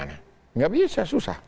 enggak bisa susah